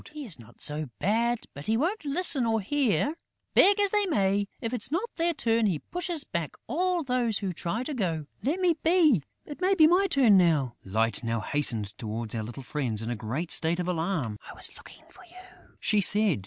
"He is not so bad; but he won't listen or hear. Beg as they may, if it's not their turn, he pushes back all those who try to go.... Let me be! It may be my turn now!" Light now hastened towards our little friends in a great state of alarm: "I was looking for you," she said.